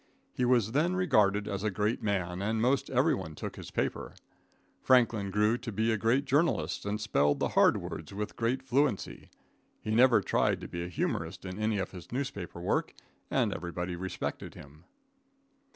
He was then regarded as a great man, and most everyone took his paper. Franklin grew to be a great journalist, and spelled hard words with great fluency. He never tried to be a humorist in any of his newspaper work, and everybody respected him.